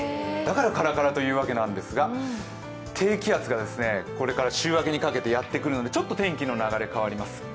だから「からから」という訳なんですが、低気圧がこれから週明けにかけてやってくるのでちょっと天気の流れが変わります。